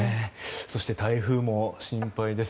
そして、台風も心配です。